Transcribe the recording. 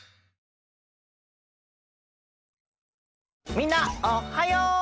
みんなおっはよう！